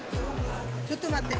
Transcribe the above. ちょっと待って。